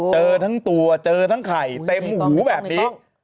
เจอทั้งตัวเจอทั้งไข่เต็มหูแบบนี้